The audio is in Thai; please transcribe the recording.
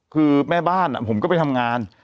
คือแม่บ้านผมก็ไปทำงาน